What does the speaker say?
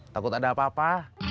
takut ada apa apa